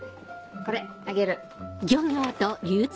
これあげる。